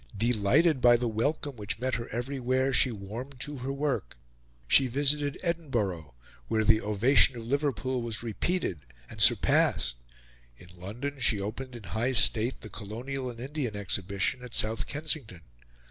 Delighted by the welcome which met her everywhere, she warmed to her work. She visited Edinburgh, where the ovation of Liverpool was repeated and surpassed. In London, she opened in high state the Colonial and Indian Exhibition at South Kensington.